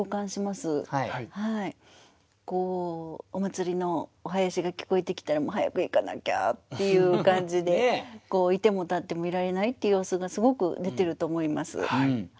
お祭りのお囃子が聞こえてきたら早く行かなきゃっていう感じでいてもたってもいられないっていう様子がすごく出てると思います。